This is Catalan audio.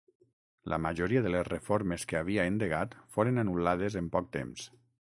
La majoria de les reformes que havia endegat foren anul·lades en poc temps.